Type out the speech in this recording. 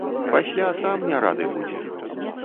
Пасля сам не рады будзе!